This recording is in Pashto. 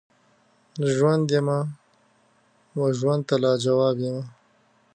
ژوند یمه وژوند ته لاجواب یمه